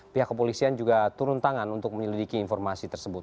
pihak kepolisian juga turun tangan untuk menyelidiki informasi tersebut